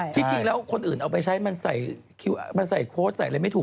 ที่จริงแล้วคนอื่นเอาไปใช้มันใส่โค้ชใส่อะไรไม่ถูก